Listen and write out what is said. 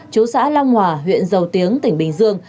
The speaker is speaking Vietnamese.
chú xã long hòa huyện dầu tiếng tỉnh bình dương